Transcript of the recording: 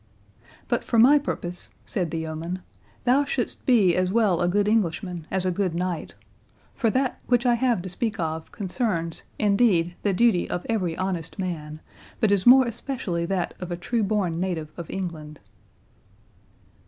"But for my purpose," said the yeoman, "thou shouldst be as well a good Englishman as a good knight; for that, which I have to speak of, concerns, indeed, the duty of every honest man, but is more especially that of a true born native of England."